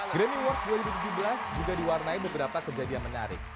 grammy award dua ribu tujuh belas juga diwarnai beberapa kejadian menarik